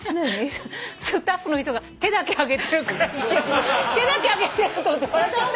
スタッフの人が手だけ上げてるから手だけ上げてると思って笑っちゃった。